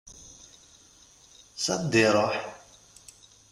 S anda iruḥ?